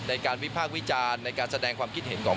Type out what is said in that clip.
ในการวิภาควิจารในการแสดงความคิดเห็นของ